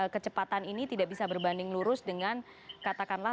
kecepatan ini tidak bisa berbanding lurus dengan katakanlah